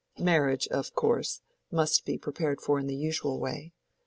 Marriage, of course, must be prepared for in the usual way.